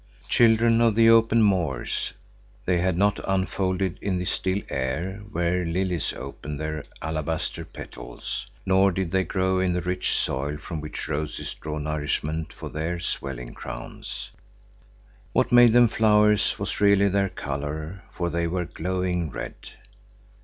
Children of the open moors, they had not unfolded in the still air where lilies open their alabaster petals; nor did they grow in the rich soil from which roses draw nourishment for their swelling crowns. What made them flowers was really their color, for they were glowing red.